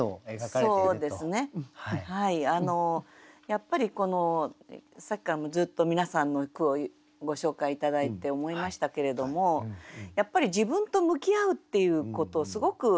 やっぱりさっきからもずっと皆さんの句をご紹介頂いて思いましたけれどもやっぱり自分と向き合うっていうことをすごく。